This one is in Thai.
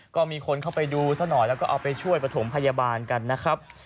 ก็มีคนเข้าไปดูซะหน่อยแล้วก็เอาไปช่วยประถมพยาบาลกันนะครับ